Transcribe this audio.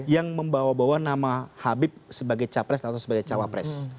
yang membawa bawa nama habib sebagai capres atau sebagai cawapres